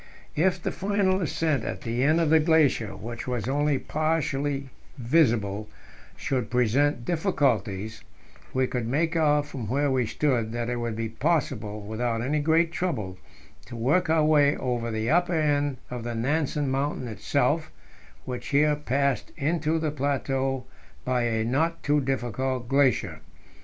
If the final ascent at the end of the glacier, which was only partly visible, should present difficulties, we could make out from where we stood that it would be possible, without any great trouble, to work our way over the upper end of the Nansen Mountain itself, which here passed into the plateau by a not too difficult glacier.